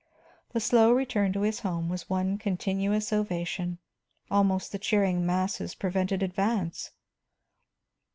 The slow return to his home was one continuous ovation, almost the cheering masses prevented advance.